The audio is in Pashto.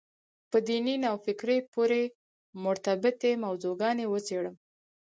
په دیني نوفکرۍ پورې مربوطې موضوع ګانې وڅېړم.